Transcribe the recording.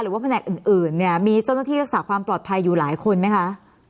แผนกอื่นเนี่ยมีเจ้าหน้าที่รักษาความปลอดภัยอยู่หลายคนไหมคะ